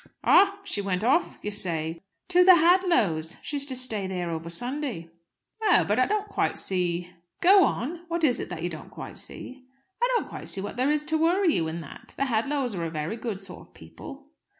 "Ah! She went off, you say, to ?" "To the Hadlows'. She is to stay there over Sunday." "Oh! But I don't quite see " "Go on! What is it that you don't quite see?" "I don't quite see what there is to worry you in that. The Hadlows are very good sort of people."